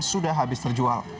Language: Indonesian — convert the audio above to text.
sudah habis terjual